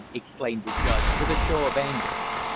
exclaimed the judge, with a show of anger.